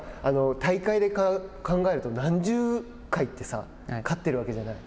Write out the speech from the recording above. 大会で考えると何十回ってさ勝っているわけじゃない。